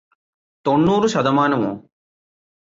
തൊണ്ണൂറു ശതമാനമോ